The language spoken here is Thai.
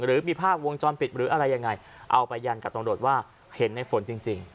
หรือมีภาพวงจรปิดหรืออะไรยังไงเอาไปยันกับตำรวจว่าเห็นในฝนจริง